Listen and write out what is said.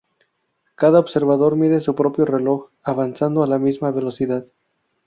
Cada observador mide su propio reloj avanzando a la misma velocidad.